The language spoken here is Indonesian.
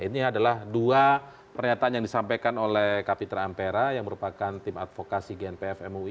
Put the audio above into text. ini adalah dua pernyataan yang disampaikan oleh kapitra ampera yang merupakan tim advokasi gnpf mui